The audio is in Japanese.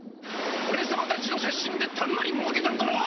おれさまたちの写真でたんまりもうけたんだろ？